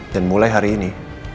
dan mulai hari ini